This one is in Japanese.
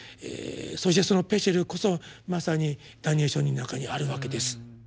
そしてその「ペシェル」こそまさに「ダニエル書」の中にあるわけです。